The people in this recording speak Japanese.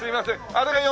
あれが嫁？